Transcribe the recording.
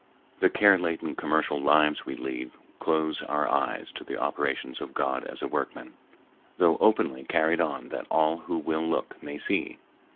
The care laden commercial lives we lead close our eyes to the operations of God as a workman, though openly carried on that all who will look may see.